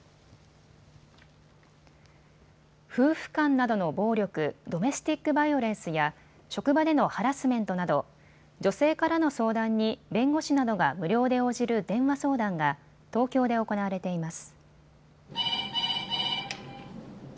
夫婦間などの暴力・ドメスティックバイオレンスや職場でのハラスメントなど女性からの相談に弁護士などが無料で応じる電話相談が東京で行われています。